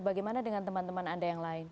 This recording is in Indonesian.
bagaimana dengan teman teman anda yang lain